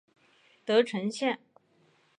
德城线